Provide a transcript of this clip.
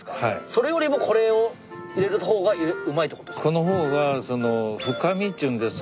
それよりもこれを入れるほうがうまいってことですか？